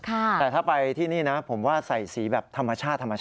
แต่ถ้าไปที่นี่นะผมว่าใส่สีแบบธรรมชาติธรรมชาติ